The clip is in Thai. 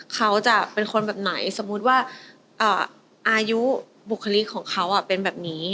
เขาจะเป็นคนแบบไหนสมมุติว่าอายุบุคลิกของเขาเป็นแบบนี้